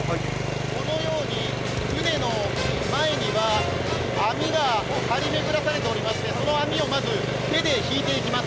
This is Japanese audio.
このように舟の前には網が張り巡らされておりましてその網をまず手で引いていきます。